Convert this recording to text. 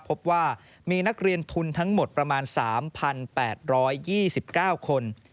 พบว่ามีนักเรียนทุนทั้งหมดประมาณ๓๘๒๙คน